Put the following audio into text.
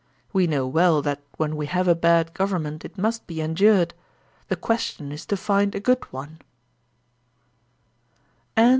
We know well that when we have a bad gov ernment it must be endured; the question is to find a good one.